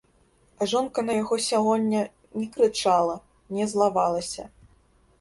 Жонка на яго сягоння не крычала, не злавалася.